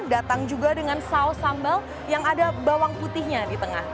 datang juga dengan saus sambal yang ada bawang putihnya di tengah